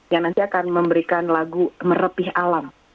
yang nanti akan memberikan lagu merepih alam